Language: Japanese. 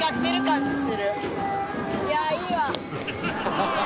いいね。